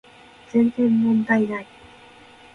全然問題ない